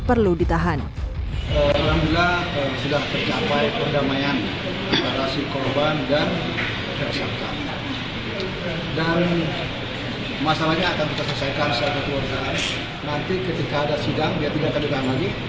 perlu ditahan dan masalahnya akan kita selesaikan nanti ketika ada sidang dia tidak akan juga lagi